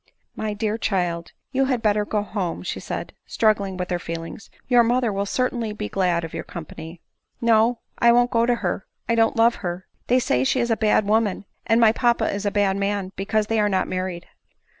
" My dear child, you had better go home," said she, struggling with her feelings ;" your mother will certain ly be glad of your company." " No, I won't go to her ; I don't love her ; they say she is a bad woman, and my papa a bad man, because they are not married."